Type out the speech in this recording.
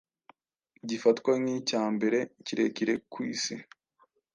gifatwa nk’icya mbere kirekire ku Isi,